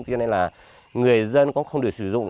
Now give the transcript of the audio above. cho nên là người dân cũng không được sử dụng